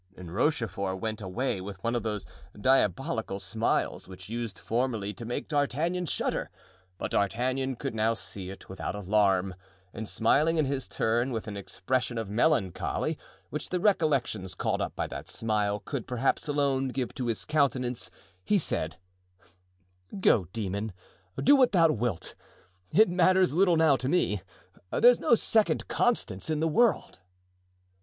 And Rochefort went away with one of those diabolical smiles which used formerly to make D'Artagnan shudder, but D'Artagnan could now see it without alarm, and smiling in his turn, with an expression of melancholy which the recollections called up by that smile could, perhaps, alone give to his countenance, he said: "Go, demon, do what thou wilt! It matters little now to me. There's no second Constance in the world."